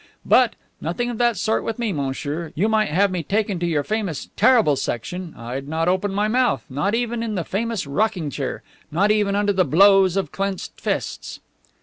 But nothing of that sort with me, monsieur. You might have me taken to your famous 'Terrible Section,' I'd not open my mouth, not even in the famous rocking chair, not even under the blows of clenched fists."